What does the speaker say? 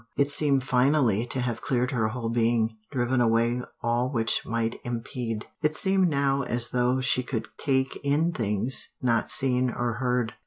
It seemed finally to have cleared her whole being, driven away all which might impede. It seemed now as though she could take in things not seen or heard.